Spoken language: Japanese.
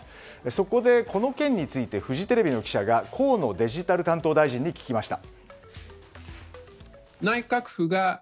そこで、この件についてフジテレビの記者が河野デジタル担当大臣に聞きました。